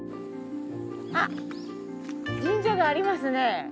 あっ神社がありますね。